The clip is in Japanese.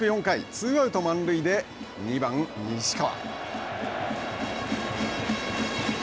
ツーアウト、満塁で２番、西川。